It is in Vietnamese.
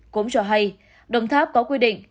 cũng cho hay đồng tháp có quy định